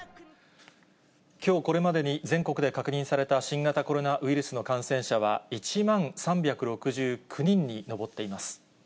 きょう、これまでに全国で確認された新型コロナウイルスの感染者は、１万３６９人に上っています。